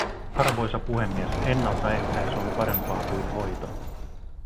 Arvoisa puhemies, ennaltaehkäisy on parempaa kuin hoito.